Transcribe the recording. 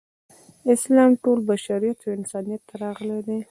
اسلام ټول بشریت او انسانیت ته راغلی دی.